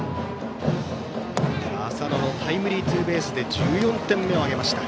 浅野のタイムリーツーベースで１４点目を挙げました。